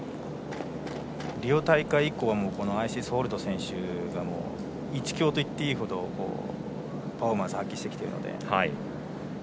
リオ大会以降アイシス・ホルト選手一強といっていいほどパフォーマンスを発揮してきているので。